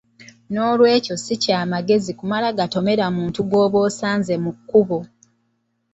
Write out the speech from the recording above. Noolwekyo si kya magezi kumala gatomera muntu gw’osanze mu kkubo.